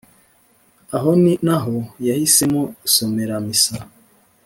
Aho ni naho yahisemo gusomera misa